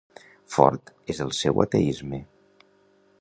Fort és el seu ateisme.